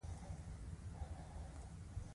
هماغه یو کیلو وریجې اوس په لس افغانۍ اخلو